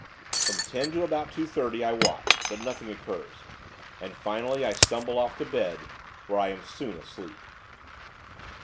From ten to about two thirty, I watch; but nothing occurs; and, finally, I stumble off to bed, where I am soon asleep.